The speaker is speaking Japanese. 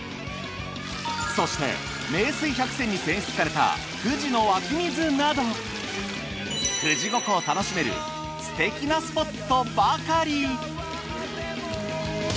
そして名水百選に選出された富士の湧き水など富士五湖を楽しめるすてきなスポットばかり。